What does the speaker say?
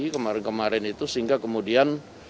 kemarin kemarin itu sehingga kemudian